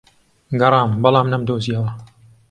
گەڕام، بەڵام نەمدۆزییەوە.